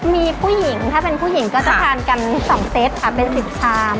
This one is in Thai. มีผู้หญิงถ้าเป็นผู้หญิงก็จะทานกัน๒เซตค่ะเป็น๑๐ชาม